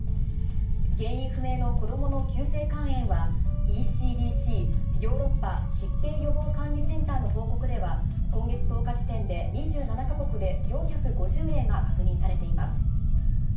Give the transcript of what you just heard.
原因不明の子どもの急性肝炎は、ＥＣＤＣ・ヨーロッパ疾病予防管理センターの報告では、今月１０日時点で２７か国で４５０例が確認されています。